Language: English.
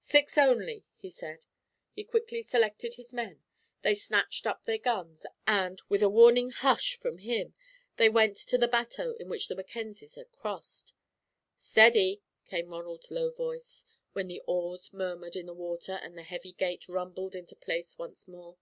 "Six only," he said. He quickly selected his men, they snatched up their guns, and, with a warning "hush!" from him, they went to the bateau in which the Mackenzies had crossed. "Steady!" came Ronald's low voice, then the oars murmured in the water and the heavy gate rumbled into place once more.